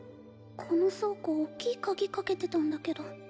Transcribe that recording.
この倉庫おっきい鍵かけてたんだけど